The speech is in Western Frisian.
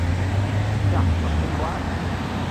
Ja, dat liket my wol aardich.